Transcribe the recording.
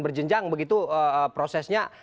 berjenjang begitu prosesnya